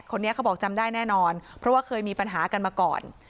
คนนี้เขาบอกจำได้แน่นอนเพราะว่าเคยมีปัญหากันมาก่อน